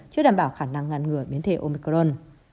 chưa đảm bảo khả năng ngăn ngừa biến thể omicron